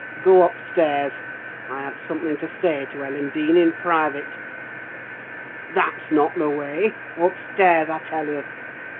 Go upstairs; I have something to say to Ellen Dean in private. That's not the way: upstairs, I tell you!